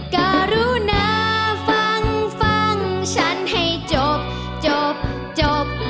การุณาฟังฟังฉันให้จบจบจบ